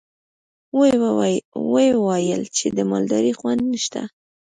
ويې ويل چې د مالدارۍ خونده نشته.